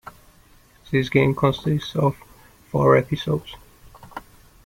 The game consisted of four episodes.